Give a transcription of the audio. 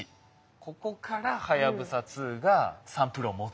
ここからはやぶさ２がサンプルを持ってきたと。